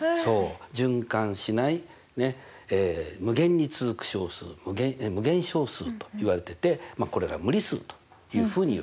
循環しない無限に続く小数無限小数といわれててまあこれが無理数というふうにいうわけですね。